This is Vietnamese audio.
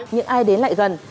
nhưng ai đến lại gần